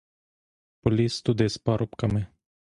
Поліз туди з парубками.